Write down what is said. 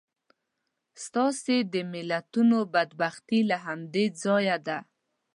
ستاسې د ملتونو بدبختي له همدې ځایه ده.